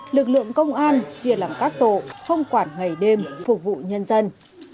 lực lượng công an chia làm các tổ không quản ngày đêm phục vụ nhân dân